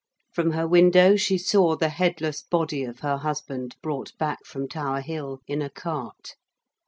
From her window she saw the headless body of her husband brought back from Tower Hill in a cart.